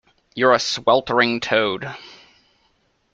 You're a sweltering toad!